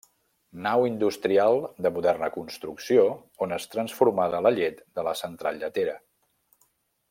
Nau industrial de moderna construcció on és transformada la llet de la central lletera.